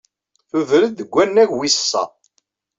Tuder-d seg wannag wis sa.